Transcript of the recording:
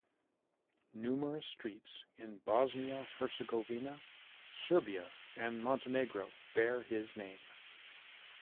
Numerous streets in Bosnia-Herzegovina, Serbia and Montenegro bear his name.